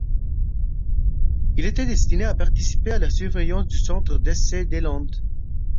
Ils étaient destinés à participer à la surveillance du centre d'essais des Landes.